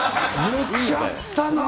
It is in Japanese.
言っちゃったなー。